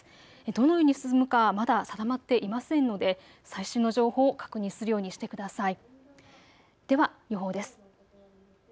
どのように進むかまだ定まっていませんので最新の情報を確認するようにしてください。